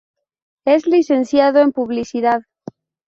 Es licenciado en publicidad.